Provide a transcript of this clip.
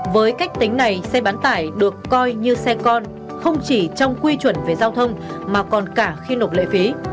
với cách tính này xe bán tải được coi như xe con không chỉ trong quy chuẩn về giao thông mà còn cả khi nộp lệ phí